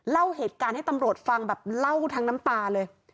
เล่าเหตุการณ์ให้ตำรวจฟังแบบเล่าทั้งน้ำตาเลย